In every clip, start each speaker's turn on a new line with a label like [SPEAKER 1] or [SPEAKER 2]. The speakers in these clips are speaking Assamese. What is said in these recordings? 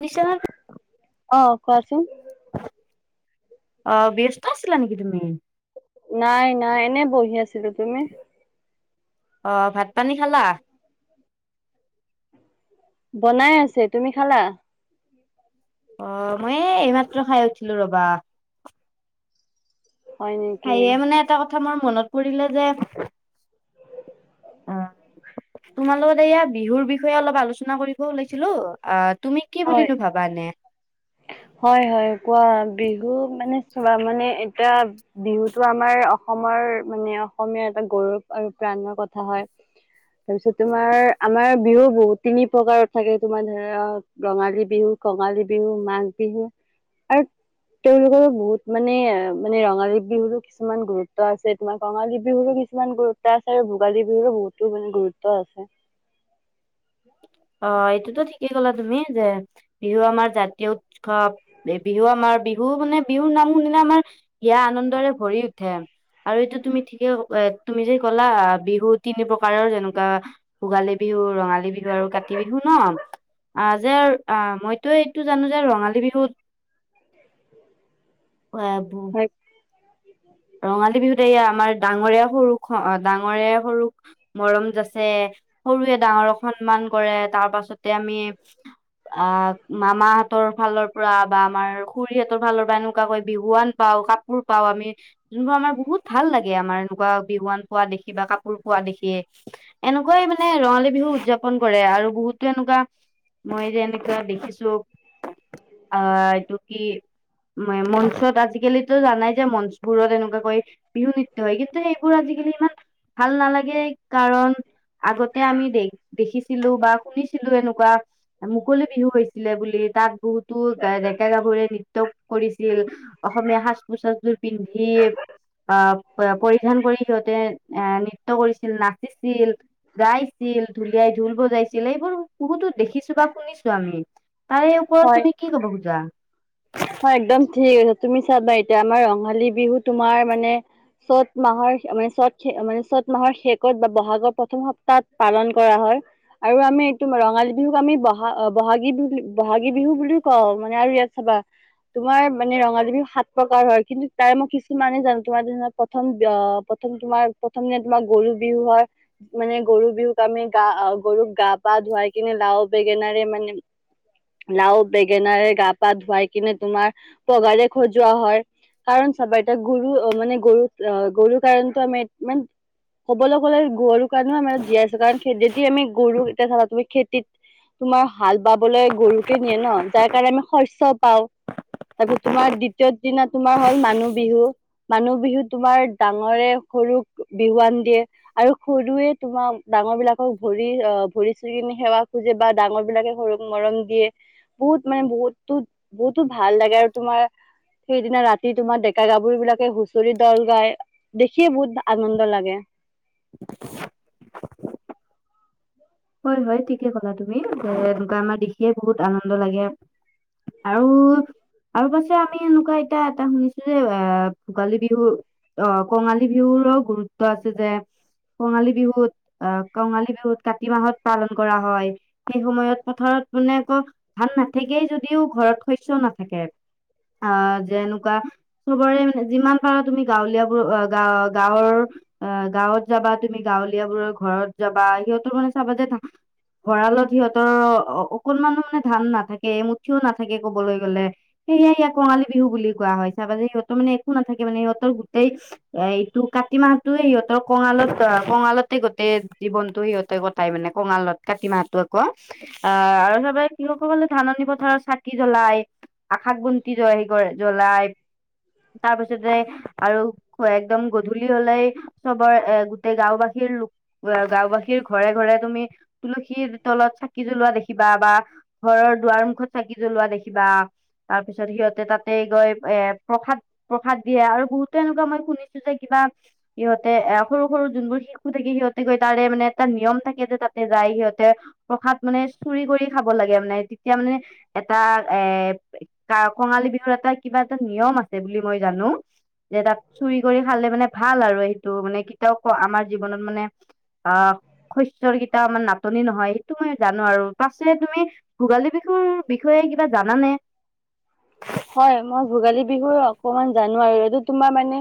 [SPEAKER 1] শুনিছানে?
[SPEAKER 2] অ কোৱাচোন
[SPEAKER 1] অ ব্যস্ত আছিলা নেকি তুমি
[SPEAKER 2] নাই নাই এনেই বহি আছিলো তুমি
[SPEAKER 1] অ ভাত পানী খালা
[SPEAKER 2] বনাই আছে তুমি খালা
[SPEAKER 1] অ মই এই এইমাত্ৰ খাই উঠিলো ৰবা।
[SPEAKER 2] হয় নেকি
[SPEAKER 1] হায়ে মানে এটা কথা মোৰ মনত পৰিলে যে অ তোমাৰ লগতে এয়া বিহুৰ বিষয়ে অলপ আলোচনা কৰিবও ওলাইছিলো আ তুমি কি
[SPEAKER 2] হয়
[SPEAKER 1] বুলিনো ভাবা এনে
[SPEAKER 2] হয় হয় কোৱা বিহু মানে চোৱা মানে এতিয়া বিহুটো আমাৰ অসমৰ মৰ মানে অসমীয়া এটা গৌৰৱ আৰু প্ৰাণৰ কথা হয়। তাৰপিছত তোমাৰ আমাৰ বিহু বহুত তিনি প্ৰকাৰত থাকে তোমাৰ ধৰা ৰঙালী বিহু, কঙালী বিহু, মাঘ বিহু আৰু তেওঁলোকৰো বহুত মানে মানে ৰঙালী বিহুৰো কিছুমান গুৰুত্ব আছে তোমাৰ ৰঙালী বিহুৰো কিছুমান গুৰুত্ব আছে আৰু ভোগালী বিহুৰু বহুতো মানে গুৰুত্ব আছে।
[SPEAKER 1] উ
[SPEAKER 2] উ
[SPEAKER 1] অ এইটোতো ঠিকেই কলা তুমি যে বিহু আমাৰ জাতীয় উৎসৱ বিহু আমাৰ বিহু মানে বিহুৰ নাম শুনিলে আমাৰ হিয়া আনন্দৰে ভৰি উঠে আৰু এইটো তুমি ঠিকে এ তুমি যে ক'লা বিহু তিনি প্ৰকাৰৰ যেনেকুৱা ভোগালী বিহু ৰঙালী বিহু আৰু কাতি কাতি বিহু ন আহ যে আহ মইতো এইটো জানো যে ৰঙালী বিহুত আহব
[SPEAKER 2] উ
[SPEAKER 1] ৰঙালী বিহুতে এয়া আমাৰ ডাঙৰীয়া সৰু ডাঙৰীয়া সৰুক মৰম যাচে সৰুৱে ডাঙৰক সন্মান কৰে তাৰ পাছত তে আমি আহ মামাহতৰ ফালৰ পৰা বা আমাৰ খুৰীহঁতৰ ফালৰ পৰা এনেকুৱা কৈ বিহুৱান পাওঁ কাপোৰ পাওঁ আমি যোনবোৰ আমাৰ বহুত ভাল লাগে আমাৰ এনেকুৱা বিহুৱান খোৱা দেখি বা কাপোৰ পোৱা দেখিয়ে এনেকুৱাই মানে ৰঙালী বিহু উদযাপন কৰে আৰু বহুতো এনেকুৱা মই যেনেকে দেখিছো আহ এইটো কি ম মঞ্চত আজিকালিতো জানাই যে মঞ্চবোৰত এনেকুৱাকৈ বিহু নৃত্য হয় কিন্তু এইবোৰ আজিকালি ইমান ভাল নালাগে কাৰণ আগতে আমি দে দেখিছিলো বা শুনিছিলো এনেকুৱা মুকলি বিহু হৈছিলে বুলি তাত বহুতো ডেকা গাভৰে নৃত্য কৰিছিল অসমীয়া সাজ পোচাজবোৰ পিন্ধি আহ পৰিধান কৰি সিহঁতে এ নৃত্য কৰিছিল নাচিছিল ছিল গাইছিল ঢুলিয়াই ঢোল বজাইছিল আছিলে এই বোৰ বহুতো দেখিছো বা শুনিছো আমি তাৰে ওপৰত
[SPEAKER 2] হয়
[SPEAKER 1] তুমি কি কব খোজা
[SPEAKER 2] হয় একদম ঠিক তুমি চাবা এতিয়া আমাৰ ৰঙালী বিহু তোমাৰ মানে চ'ত মাহৰ মানে চত মানে চ'ত মাহৰ শেষত বা বহাগৰ প্ৰথম সপ্তাহত পালন কৰা হয় আৰু আমি এইটো ৰঙালী বিহুক আমি বহ বহাগী বিহু বুলি বহাগী বিহু বুলিও কওঁ মানে আৰু চাবা তোমাৰ মানে ৰঙালী বিহু সাত প্ৰকাৰ হয় কিন্তু তাৰে মই কিছুমানে জানো তোমাৰ প্ৰথম প্ৰথম তোমাৰ প্ৰথমদিনা তোমাৰ গৰু বিহু হয় মানে গৰু বিহুক আমি গা গৰুক গা গা পা ধুৱাই কিনে লাও বেঙেনাৰে মানে লাও বেঙেনাৰে গা পা ধুৱাই- কিনে তোমাৰ পঘাৰে সজোৱা হয়। কাৰণ চাবা এতিয়া গৰু মানে গৰু আহ গৰুৰ কাৰণতো আমি মান কবলৈ গ'লে গৰুৰ কাৰণেও আমি জীয়াই আছো। কাৰণ খেতি যেতিয়া আমি গৰু তো তুমি খেতিত তোমাৰ হাল বাবলৈ গৰুকে নিয়ে ন, যাৰ কাৰণে আমি শস্য পাওঁ।
[SPEAKER 1] [inaudible]
[SPEAKER 2] তাৰপিছত তোমাৰ দ্বিতীয় দিনা তোমাৰ হল মানুহ বিহু। মানুহ বিহু তোমাৰ ডাঙৰে সৰু বিহুৱান দিয়ে আৰু সৰুৱে তোমাক ডাঙৰ বিলাকক ভৰি ভৰি চুই সেৱা খোজে, বা ডাঙৰ বিলাকে সৰু মৰম দিয়ে। বহুত মানে বহুতো বহুতো ভাল লাগে আৰু তোমাৰ সেইদিনা ৰাতি তোমাৰ ডেকা গাভৰিবলাকে হুঁচৰি দল গাই, দেখিয়ে বহুত আনন্দ লাগে।
[SPEAKER 1] [inaudible] হয় হয় ঠিকে ক'লা তুমি, এনেকুৱা আমাৰ দেখিয়ে বহুত আনন্দ লাগে। আৰু আৰু পাছে আমি এনেকুৱা এতিয়া এটা শুনিছো যে আহ ভোগালী বিহু অ কঙালী বিহুৰো গুৰুত্ব আছে যে, কঙালী বিহুত আহ কঙালী বিহুত কাতি মাহত পালন কৰা হয়। সেই সময়ত পথাৰত মানে আকৌ ধান নাথাকেই যদিও ঘৰত শস্যও নাথাকে। অ যেনেকুৱা চবৰে মানে যিমান পাৰা তুমি গাঁৱলীয়া বোৰ গা গাঁৱৰ অ গাঁৱত যাবা তুমি গাঁৱলীয়া বোৰৰ ঘৰত যাবা, সিহঁতৰ মানে চাবা যে ভৰালত সিহতৰৰ অ অকণমান ধান নাথাকে, মুঠিও নাথাকে কবলৈ গলে। সেয়ে ইয়াক কঙালী বিহু বুলি কোৱা হয়। চাবা যে সিহঁতৰ মানে একো নথাকে মানে, সিহঁতে- এইটো কাতি মাহটোৱে সিহঁতৰ কঙালত কঙালতে গোটেই জীৱনতটো সিহঁতে, কটাই মানে কঙালত কাতি মাহতটো আকৌ। অ আৰু চব কৃষসকলে ধান ৰ চাকি জ্বলাই আকাশ বন্তি জ জ্বলাই। তাৰ পিছতে আৰু একদম গধূলি হলেই চবৰ এ গোটেই গাঁওবাসী গাঁওবাসীৰ ঘৰে ঘৰে তুমি তুলসীৰ তলত চাকি জ্বলোৱা দেখিবা বা ঘৰৰ দুৱাৰ মুখত চাকি জ্বলোৱা দেখিবা। তাৰ পিছত সিহঁতে তাতে গৈ এ প্ৰসাদ প্ৰসাদ দিয়ে আৰু বহুতে এনেকুৱা মই শুনিছো যে, কিবা সিহঁতে এ সৰু সৰু যোনবোৰ শিশু থাকে সিহঁতে গৈ তাৰে মানে এটা নিয়ম থাকে তাতে যায়। সিহঁতে প্ৰসাদ মানে চুৰি কৰি খাব লাগে, মানে তেতিয়া মানে এটা কঙালী বিহুৰ এটা কিবা এটা নিয়ম আছে বুলি মই জানো। যে তাত চুৰি কৰি খালে মানে ভাল আৰু সেইটো মানে কি কয় আমাৰ জীৱনত মানে আহ। শস্যৰ কেইটা আমাৰ নাটনি নহয়। সেইটো মই জানো আৰু পাছে তুমি ভোগালী বিহুৰ বিষয়ে কিবা জানানে?
[SPEAKER 2] হয় মই বিহু অকমান জানো আৰু এইটো তোমাৰ মানে।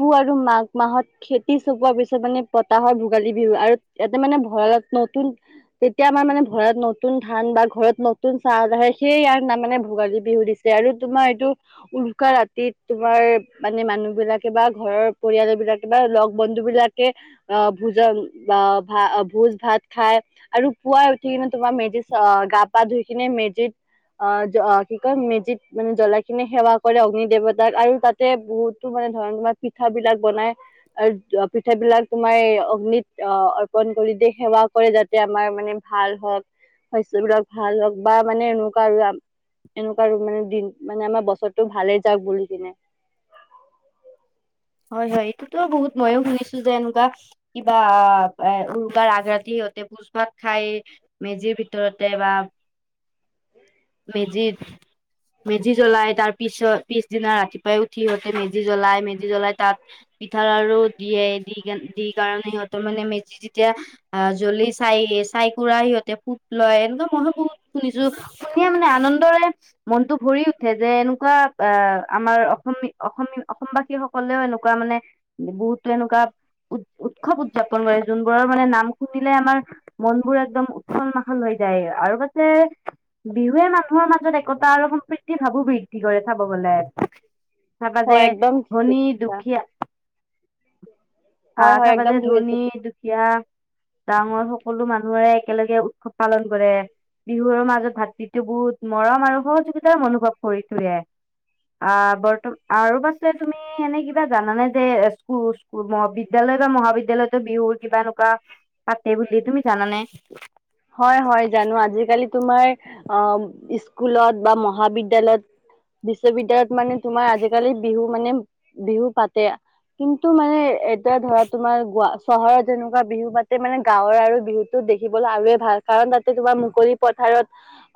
[SPEAKER 2] পুহ আৰু মাঘ মাহত খেতি চপোৱাৰ পিছত মানে পতাহৰ ভোগালী। বিহু আৰু ইয়াতে মানে ভঁৰালত নতুন। তেতিয়া আমাৰ মানে ভৰাৰত নতুন ধান বা ঘৰত নতুন চাহ আহে সেইয়ে ইয়াৰ মানে ভোগালী বিহু দিছে। আৰু তোমাৰ এইটো উৰুকা ৰাতিত তোমাৰ মানে মানুহ বিলাকে বা ঘৰৰ পৰিয়াল। বা লগ বন্ধু বিলাকে অ ভোজন। বা ভা ভোজ ভাত খাই আৰু পুৱাই উঠি কিনে তোমাৰ মেজি গা পা ধুই কিনে,। মেজি - অ কি কয় মেজিত মানে জ্বলাকিনে সেৱা কৰে অগ্নি দেৱতাক। আৰু তাতে বহুতো মানে ধৰ তোমাৰ পিঠা বিলাক বনাই আৰু পিঠা বিলাক তোমাৰ এই অগ্নিত। অ, অৰ্পন কৰিতে সেৱা কৰে যাতে আমাৰ মানে ভাল হওক শস্য বিলাক ভাল হওক বা মানে এনেকুৱা আৰু'- এনেকুৱা মানে দিন মানে আমাৰ বছৰটো ভালে যাকও বুলি কিনে।
[SPEAKER 1] [unintelligible] হয়, হয় এইটোতো বহুত মইো শুনিছো যে, এনেকুৱা কিবা এ উৰুকা ৰাগ ৰাতি তে, ভোজ ভাত খাই মেজিৰ ভিতৰতে বা মেজিত মেজি জ্বলাই। তাৰ পিছত পিছদিনা ৰাতিপুৱাই উঠিহঁতে মেজি জ্বলাই মেজি জ্বলাই তাত পিঠা লাড়ু দিয়ে। দি কে দি কাৰণে সিহঁতৰ মানে মেজি যেতিয়া অ, জ্বলি চাই চাইকুৰা সিহঁতে পুত লয়। মই তো বহুত শুনিছো শুনিয়ে মানে আনন্দৰে মনতটো ভৰি উঠে যে এনেকুৱা আহ, আমাৰ অসম অসম অসমবাসী সকলেও এনেকুৱা মানে বহুতো এনেকুৱা উ উৎসৱ উদযাপন কৰে। যোনবোৰৰ মানে নাম শুনিলে আমাৰ মন বোৰ একদম উৎসল মাহাল হয়। যায়। আৰু পাছে বিহুৱে মানুহৰ মাজত একতা আৰু সম্প্ৰীতিৰ ভাবো বৃদ্ধি কৰে চাব গলে। তাৰপাজে
[SPEAKER 2] হয় একদম ঠিক
[SPEAKER 1] ধনী,
[SPEAKER 2] কথা।
[SPEAKER 1] দুখীয়া
[SPEAKER 2] হয় হয়
[SPEAKER 1] আহশাৰ
[SPEAKER 2] একদম
[SPEAKER 1] পাজে
[SPEAKER 2] ঠিক
[SPEAKER 1] ধনী
[SPEAKER 2] আছে
[SPEAKER 1] দুখীয়া ডাঙৰ সকলো মানুহৰে একেলগে উৎসৱ পালন কৰে। বিহুৰ মাজত ভাতটো বহুত মৰম আৰু সহযোগিতাৰ অনুনোভৱ কৰি থৈয়ে। অ, বৰ্তমান আৰু পাছেত তুমি এনে কিবা জানানে যে স্কুল, বিদ্য়ালয় বা মহাবিদ্যালয়ত বিহুৰ কিবা এনেকুৱা পাতে বি তুমি জানানে?
[SPEAKER 2] হয় হয় জানো আজিকালি তোমাৰ অ' স্কুলত বা মহাবিদ্যালয়ত বিশ্ববিদ্যালয়ত মানে তোমাৰ আজিকালি বিহু মানে বিহু পাতে। কিন্তু মানে এতিয়া ধৰা তোমাৰ গোৱা চহৰত যেনেকুৱা বিহু বা তাতে মানে গাঁৱৰ আৰু বিহুতো দেখিবলৈ আৰুে ভাল। কাৰণ, তাতে তোমাৰ মুকলি পথাৰত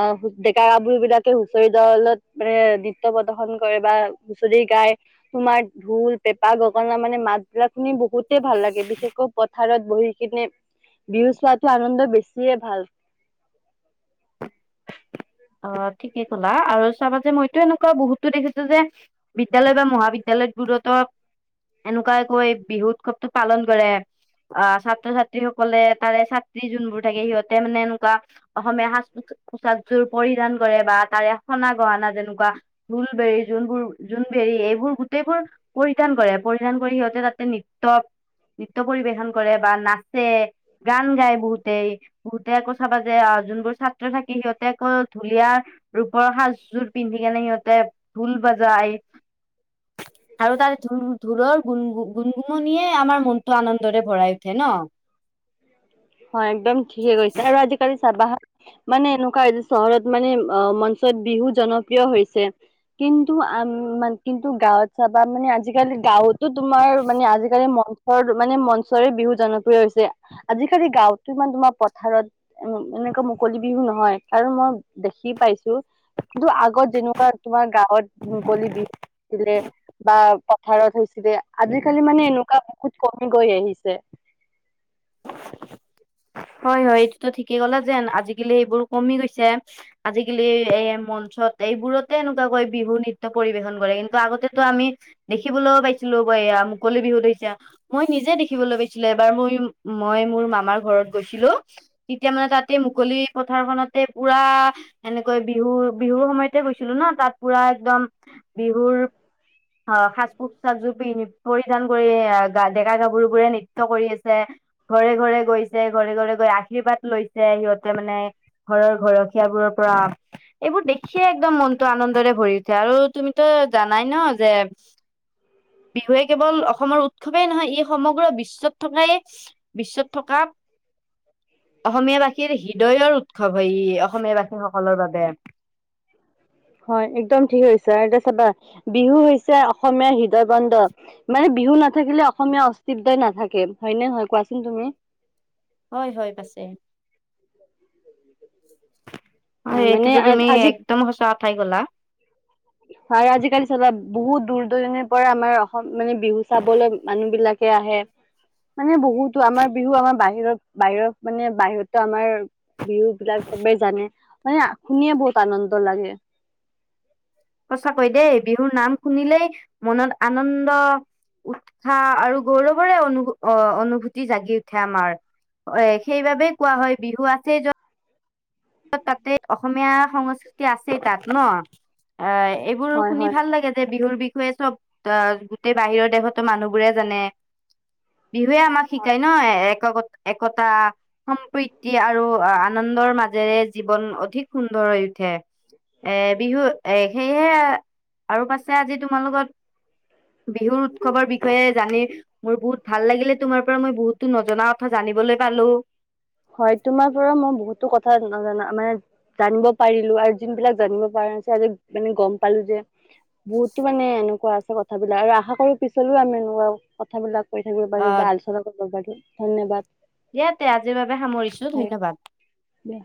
[SPEAKER 2] অ' ডেকা গাভৰু বিলাকে হুঁচৰি দলত মানে নৃত্য প্ৰদৰ্শন কৰে বা হুচৰি গায়। আমাৰ ঢোল, পেপা, গগনা মানে মাত বিলাক শুনি বহুতে ভাল লাগে। বিশেষকৈ পথাৰত বহি কিনে বিহু চোৱাটো আনন্দ বেছিয়ে ভাল।
[SPEAKER 1] অ, ঠিকে কলা আৰু চাবা যে মইতো এনেকুৱা বহুতো দেখিছো যে বিদ্যালয় বা মহাবিদ্য়ালয়বোৰতো এনেকুৱাই কৈ বিহু উৎসৱতটো পালন কৰে। অ, ছাত্ৰ-ছাত্ৰী সকলে তাৰে ছাত্ৰী যোনবোৰ থাকে সিহঁতে মানে এনেকুৱা অসমীয়া সাজ প চাকযোৰ পৰিধান কৰে। বা তাৰে সনা গহনা যেনেকুৱা ঢোলবৰি যোনবোৰ জোনবেৰি এইবোৰ গোটেইবোৰ পৰিধান কৰে। পৰিধান কৰি সিহঁতে তাতে নৃত্য নৃত্য পৰিবেশন কৰে বা নাচে, গান গায় বহুতেই বহুতে আকৌ চাবা যে আ যোনবোৰ ছাত্ৰ থাকে সিহঁতে আকৌ ঢুলীয়া ৰূপৰ সাজযোৰ পিন্ধি কেনে সিহঁতে ঢোল বাজায়। আৰু তাৰে ঢো-ঢোলৰ গুন-গুনগুননিয়ে য়ে আমাৰ মনটো আনন্দৰে ভৰাই উঠে ন।
[SPEAKER 2] হয়, একদম ঠিকে কৈছা, আৰু আজিকালি চাবা মানে এনেকুৱা যে চহৰত মানে অ মঞ্চত বিহু জনপ্ৰিয় হৈছে। কিন্তু আ-মান, কিন্তু গাঁৱত চাবা মানে আজিকালি গাঁৱতো তোমাৰ মানে আজিকালি মঞ্চৰ মানে মঞ্চৰে বিহু জনপ্ৰিয় হৈছে। আজিকালি গাওতো ইমান তোমাৰ পথাৰত এনেকুৱা মুকলি বিহু নহয় আৰু মই দেখি পাইছো কিন্তু আগত যেনেকুৱা তোমাৰ গাঁৱত মুকলি বিহু আছিলে বা পথাৰত হৈছিলে, আজিকালি মানে এনেকুৱা বহুত কমি গৈ আহিছে।
[SPEAKER 1] [inaudible] হয় হয়, এইটোতো ঠিকেই ক'লে যেন আজিকালি সেইবোৰ কমি গৈছে। আজিকালি এ মন ত এইবোৰতে এনেকুৱাকৈ বিহু নৃত্য পৰিবেশন কৰে কিন্তু আগতেতো আমি দেখিবলৈও পাইছিলোঁ এইয়া মুকলি বিহু এতিয়া। মই নিজে দেখিবলৈ পাইছিলোঁ, এবাৰ মই মই মোৰ মামাৰ ঘৰ গৈছিলো, তিতিয়া মানে তাতে মুকলি পথাৰখনতে পুৰা এনেকৈ বিহুৰ বিহু হুৰ সময়তে গৈছিলোঁ ন, তাত পুৰা একদম বিহুৰ আ সাজ-পোছাকযোৰ পি-পৰিধান কৰি গা দে ডেকা-গাভৰুবোৰে নৃত্য কৰি আছে, ঘৰে-ঘৰে গৈছে ঘৰে-ঘৰে গৈ আশীৰ্বাদ লৈছে সিহঁতে মানে, ঘৰৰ ঘৰখীয়াবোৰৰ পৰা। এই এইবোৰ দেখিয়ে একদম মনটো আনন্দৰে ভৰি উঠে আৰু তুমিতো জানাই ন যে বিহুৱে কেৱল অসমৰ উৎসৱেই নহয় ই সমগ্ৰ বিশ্বত থকাই, বিশ্বত থকা [inaudible] অসমীয়াবাসীৰ হৃদয়ৰ উৎসৱ হয় ই, অসমীয়াবাসীসকলৰ বাবে।
[SPEAKER 2] হয়, একদম ঠিক কৈছা আৰু এতিয়া চাবা বিহু হৈছে অসমীয়াৰ হৃদয় বন্দ, মানে বিহু নাথাকিলে অসমীয়া অস্তিত্বই নাথাকে। হয় নে নহয়, কোৱাচোন তুমি?
[SPEAKER 1] হয় হয়, পাছে। অ',
[SPEAKER 2] হয় মানে
[SPEAKER 1] এইটোতো তুমি একদম সঁচা কথাই কলা।
[SPEAKER 2] আৰু আজিকালি চাবা, বহু দূৰ-দূৰণিৰ পৰা আমাৰ অসম মানে বিহু চাবলৈ মানুহ বিলাক কে আহে। মানে বহুতো, আমাৰ বিহু আমাৰ বাহিৰত বাহিৰত মানে বাহিৰতো আমাৰ বিহু বিলাক চবেই জানে, মানে শুনিয়ে বহুত আনন্দ লাগে।
[SPEAKER 1] সঁচাকৈ দেই, বিহুৰ নাম শুনিলেই মনত আনন্দ উৎসাহ আৰু গৌৰৱৰে অনুভ অ অনুভূতি জাগি উঠে আমাৰ। এ সেইবাবেই কোৱা হয়, বিহু আছে য'ত তাতে অসমীয়া সংস্কৃতি আছেই তাত, ন। আ এইবোৰ
[SPEAKER 2] হয়
[SPEAKER 1] শুনি
[SPEAKER 2] হয়
[SPEAKER 1] ভাল লাগে যে বিহুৰ বিষ বিহুৱেই চব আহ গোটেই বাহিৰৰ দেশতো মানুহবোৰে জানে বিহুৱে আমাক শিকায় ন এক-একতা। সম্প্ৰীতি আৰু আ-আনন্দৰ মাজেৰে জীৱন অধিক সুন্দৰ হৈ উঠে। এ বিহু এ সেয়ে, আৰু পাছে আজি তোমাৰ লগত বিহুৰ উৎসৱৰ বিষয়ে জানি মোৰ বহুত ভাল লাগিলে তোমাৰ পৰা মই বহুতো নজনা কথা জানিবলৈ পালোঁ।
[SPEAKER 2] হয়, তোমাৰ পৰা মই বহুতো কথা নজনা মানে জানিব পাৰিলোঁ আৰু যোন বিলাক জানিব পৰা নাছিলো আজি মানে গম পালোঁ যে বহুতো মানে এনেকুৱা আছে কথাবিলাক আৰু আশা কৰো পিছলৈও আমি এনেকুৱা কথাবিলাক কৈ থাকিব পাৰিম, বা আলোচনা কৰিব পাৰো ধন্যবাদ।
[SPEAKER 1] ইয়াতে আজিৰ বাবে সামৰিছো
[SPEAKER 2] হয়
[SPEAKER 1] ধন্যবাদ।
[SPEAKER 2] দিয়া।